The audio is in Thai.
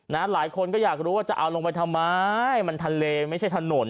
หลายคนก็อยากรู้ว่าจะเอาลงไปทำไมมันทะเลไม่ใช่ถนน